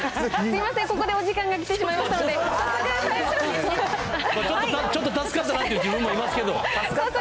すみません、ここでお時間が来てしまいましたので、早速。